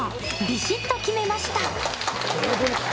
ビシッと決めました。